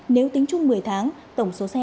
nếu tính chung một mươi tháng tổng số xe chuyên dụng